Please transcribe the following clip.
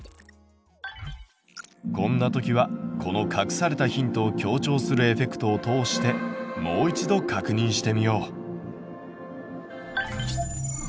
こんな時はこの隠されたヒントを強調するエフェクトを通してもう一度確認してみよう！